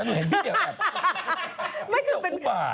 ไม่คือเป็นคำถามอะไรก็ไม่รู้ไม่มีบาตรลวงก็จะต้องมีอ่ะ